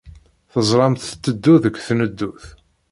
Teẓramt-tt tetteddu deg tneddut.